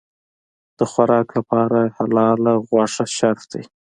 د خوراک لپاره حلاله غوښه شرط دی.